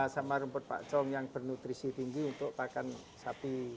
sama rumput pakcom yang bernutrisi tinggi untuk pakan sapi